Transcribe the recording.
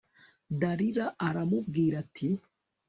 dalila aramubwira ati